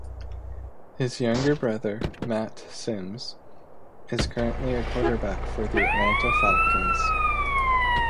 His younger brother, Matt Simms, is currently a quarterback for the Atlanta Falcons.